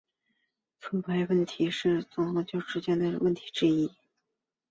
错排问题是组合数学中的问题之一。